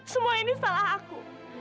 semua ini salah aku